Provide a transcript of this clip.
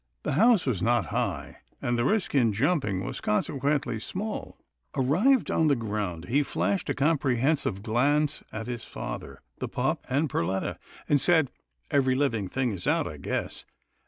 The house was not high, and the risk in jumping was con sequently small, THE SON OF MUFFLES 245 Arrived on the ground, he flashed a compre hensive glance at his father, the pup, and Perletta, and said, Every living thing is out, I guess."